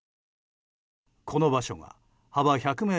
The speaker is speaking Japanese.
この場所が幅１００ｍ